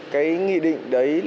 cái nghị định của nhà nước đưa ra